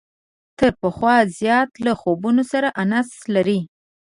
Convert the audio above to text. تر پخوا زیات له خوبونو سره انس لري.